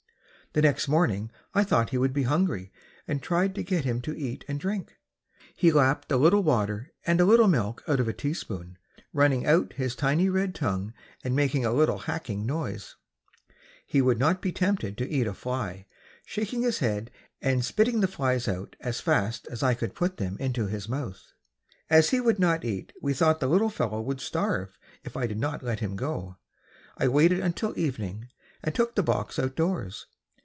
The next morning I thought he would be hungry and tried to get him to eat and drink. He lapped a little water and a little milk out of a teaspoon, running out his tiny red tongue and making a little hacking noise. He would not be tempted to eat a fly, shaking his head and spitting the flies out as fast as I could put them into his mouth. As he would not eat we thought the little fellow would starve if I did not let him go. I waited until evening and took the box outdoors.